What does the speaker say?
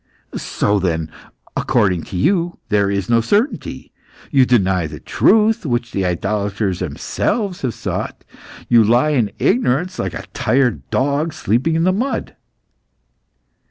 "So then, according to you there is no certainty. You deny the truth which the idolaters themselves have sought. You lie in ignorance like a tired dog sleeping in the mud."